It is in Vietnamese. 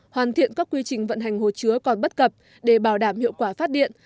hoàn thiện các quy trình vận hành hồ chứa còn bất cập để bảo đảm hiệu quả phát điện